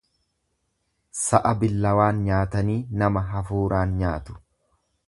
Sa'a billawaan nyaatanii nama hafuuraan nyaatu.